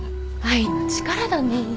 愛の力だね。